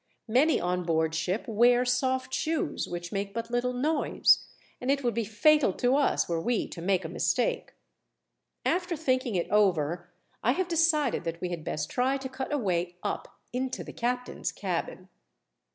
Many on board ship wear soft shoes, which make but little noise, and it would be fatal to us were we to make a mistake. After thinking it over, I have decided that we had best try to cut a way up into the captain's cabin."